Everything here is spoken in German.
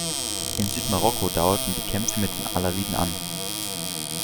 In Südmarokko dauerten die Kämpfe mit den Alawiden an.